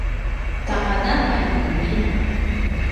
taqadavan ni ina